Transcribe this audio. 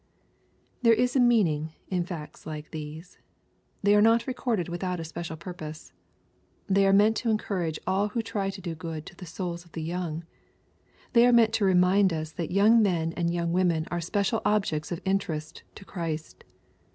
There is a meaning in fact^ like these. They are not recorded without a special purpose. They are meant to encourage all who try to do good to the souls of the young. They are meant to remind us that young men and young women are special objects of interest to Christ.